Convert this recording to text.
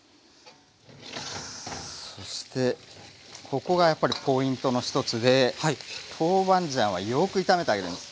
そしてここがやっぱりポイントの１つでトーバンジャンはよく炒めてあげます。